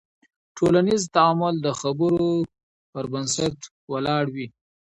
ټولنیز تعامل د خبرو پر بنسټ ولاړ وي.